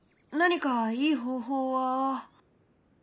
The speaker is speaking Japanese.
何かいい方法は。